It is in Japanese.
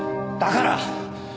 だから！